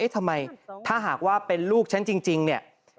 ทำไมถ้าหากว่าเป็นลูกฉันจริงเนี่ย